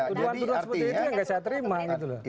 tuduhan tuduhan seperti itu yang nggak saya terima gitu loh